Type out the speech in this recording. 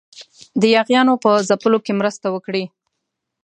د یاغیانو په ځپلو کې مرسته وکړي.